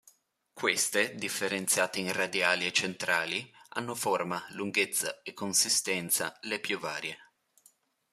Queste, differenziate in radiali e centrali, hanno forma, lunghezza e consistenza le più varie.